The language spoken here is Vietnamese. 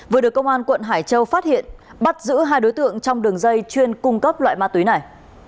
vừa được công an quận hải châu phát hiện bắt giữ hai đối tượng trong đường dây chuyên cung cấp loại ma túy này